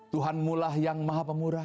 tuhan mulah yang maha pemurah